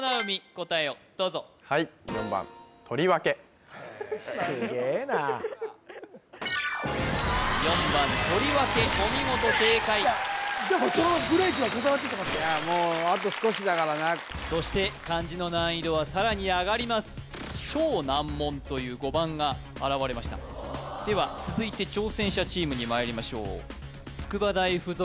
答えをどうぞすげえな４番とりわけお見事正解でもその分ブレイクは重なってきてますからもうあと少しだからなそして漢字の難易度はさらに上がりますでは続いて挑戦者チームにまいりましょう筑波大附属